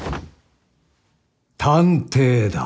探偵だ。